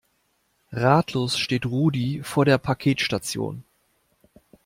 Ratlos steht Rudi vor der Paketstation.